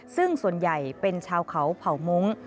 ซึ่งส่วนใหญ่เป็นชาวเขาเผ่ามงค์